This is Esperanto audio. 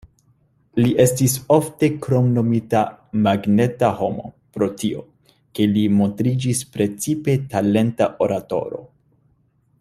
Li estis ofte kromnomita "magneta homo" pro tio, ke li montriĝis precipe talenta oratoro.